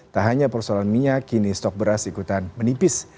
tak hanya persoalan minyak kini stok beras ikutan menipis